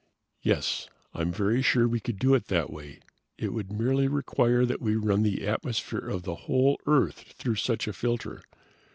"Yes, I'm very sure we could do it that way. It would merely require that we run the atmosphere of the whole Earth through such a filter.